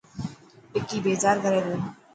وڪي بيزار ڪري پيو.